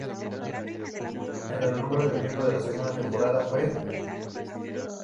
El eslogan de los miembros de la segunda temporada fue "청춘이여 영원하라!